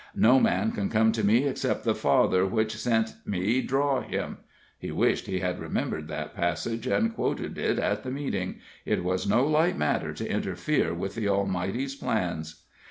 "No man can come to me except the Father which sent me draw him" he wished he had remembered that passage, and quoted it at the meeting it was no light matter to interfere with the Almighty's plans.